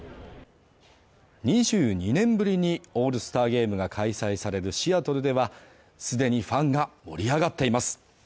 ２２年ぶりにオールスターゲームが開催されるシアトルでは既にファンが盛り上がっています